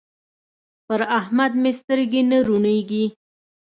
پر احمد مې سترګې نه روڼېږي.